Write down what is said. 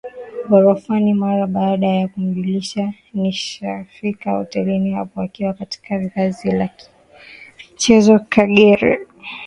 ghorofani mara baada ya kumjulisha nimeshafika hotelini hapo Akiwa katika vazi la kiimichezo Kagere